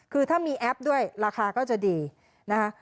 คือถ้ามีแอปด้วยราคาก็จะดีนะคะ